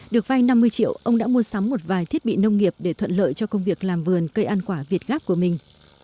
được vay năm mươi triệu ông đã mua sắm một vài thiết bị nông nghiệp để thuận lợi cho công việc làm vườn cây ăn quả việt gáp của mình